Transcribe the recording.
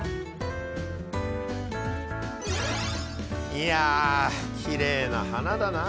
いやきれいな花だなあ。